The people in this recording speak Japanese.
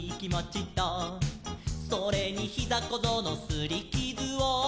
「それにひざこぞうのすりきずを」